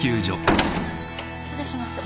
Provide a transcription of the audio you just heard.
失礼します。